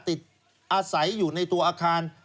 อาศัยอยู่ในตัวอาคาร